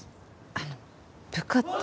あの部下って。